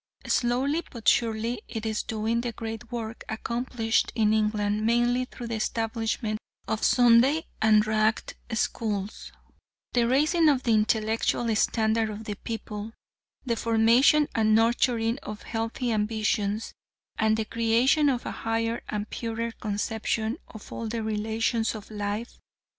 Slowly but surely it is doing the great work accomplished in England mainly through the establishment of Sunday and "Ragged" Schools the raising of the intellectual standard of the people, the formation and nurturing of healthy ambitions, and the creation of a higher and purer conception of all the relations of life.